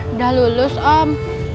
udah lulus om